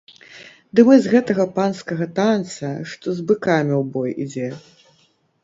Ды мы з гэтага панскага танца, што з быкамі ў бой ідзе.